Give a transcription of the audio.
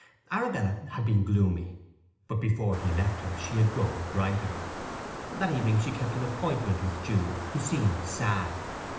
Arabella had been gloomy, but before he left her she had grown brighter. That evening she kept an appointment with Jude, who seemed sad.